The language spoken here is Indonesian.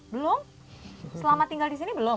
belum selama tinggal di sini belum